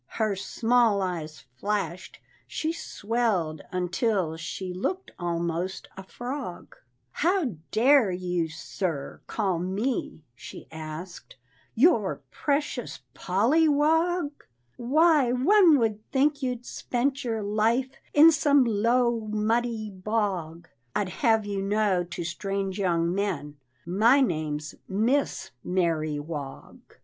Her small eyes flashed, she swelled until She looked almost a frog; "How dare you, sir, call me," she asked, "Your precious Polly Wog? "Why, one would think you'd spent your life In some low, muddy bog. I'd have you know to strange young men My name's Miss Mary Wog."